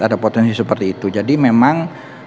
ada potensi seperti itu jadi memang